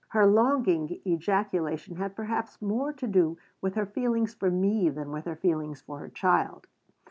Her longing ejaculation had perhaps more to do with her feelings for me than with her feelings for her child.